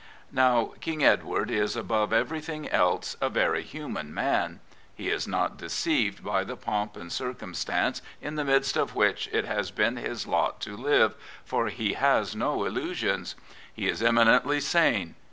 Now, King Edward is, above ever5rthing else, a very hnman noum. He is not deceived by the pomp and circumstance in the midst of which it has been his lot to live, for he has no illusions. He is eminently sane.